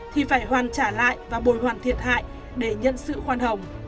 thì phải hoàn trả lại và bồi hoàn thiệt hại để nhân sự khoan hồng